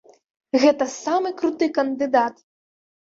Гэта самы круты кандыдат.